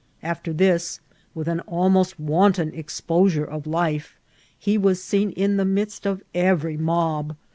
After this, with an almost wanton exposure of life, he was seea in the midst of erery mob.